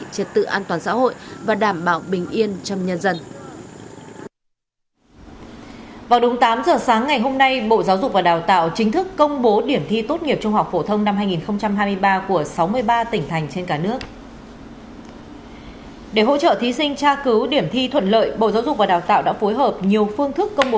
triệt tự an toàn xã hội và đảm bảo bình yên trong nhân dân